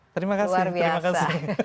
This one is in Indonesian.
terima kasih luar biasa